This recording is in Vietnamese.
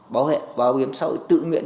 bảo hiểm xã hội tự nguyện